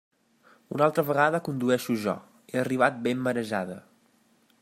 Una altra vegada condueixo jo; he arribat ben marejada.